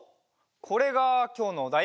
これがきょうのおだい？